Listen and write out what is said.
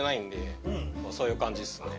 そういう感じっすね。